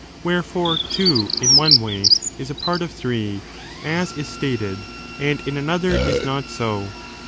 Wherefore, two, in one way, is a part of three, as is stated, and in another is not so.